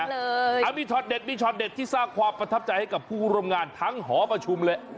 เอามีช็อตเด็ดมีช็อตเด็ดที่สร้างความประทับใจให้กับผู้ร่วมงานทั้งหอประชุมเลย